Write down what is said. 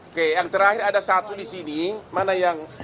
oke yang terakhir ada satu di sini mana yang